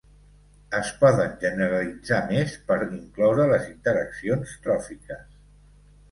Es poden generalitzar més per incloure les interaccions tròfiques.